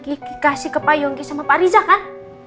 kiki kasih ke pak yongki sama pak riza kan